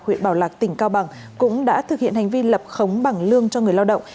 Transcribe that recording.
huyện bảo lạc tỉnh cao bằng cũng đã thực hiện hành vi lập khống bảng lương cho người lao động